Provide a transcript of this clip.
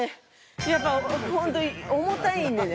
やっぱほんと重たいんでね